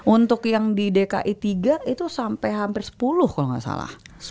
untuk yang di dki tiga itu sampai hampir sepuluh kalau nggak salah